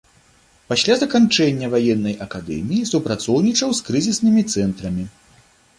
Пасля заканчэння ваеннай акадэміі супрацоўнічаў з крызіснымі цэнтрамі.